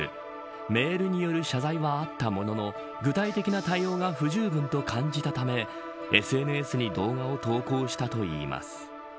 メールによる謝罪があったものの具体的な対応が不十分と感じたためＳＮＳに動画を投稿したといいます。